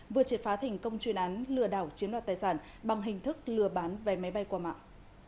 vừa triệt phá thành công chuyên án lừa đảo chiếm đoạt tài sản bằng hình thức lừa bán vé máy bay qua mạng